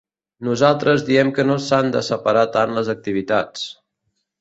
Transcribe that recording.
Nosaltres diem que no s’han de separar tant les activitats.